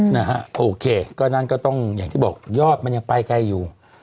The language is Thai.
นะฮะโอเคก็นั่นก็ต้องอย่างที่บอกยอดมันยังไปไกลอยู่